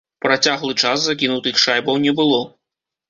Працяглы час закінутых шайбаў не было.